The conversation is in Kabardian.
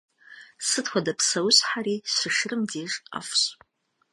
Сыт хуэдэ псэущхьэри щышырым деж ӏэфӏщ.